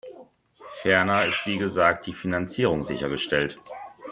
Ferner ist wie gesagt die Finanzierung sichergestellt.